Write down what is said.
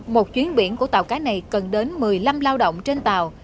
một chuyến biển của tàu cá này cần đến một mươi năm lao động trên tàu